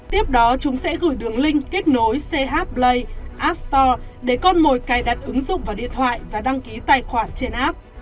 tiếp đó chúng sẽ gửi đường link kết nối ch play app store để con mồi cài đặt ứng dụng vào điện thoại và đăng ký tài khoản trên app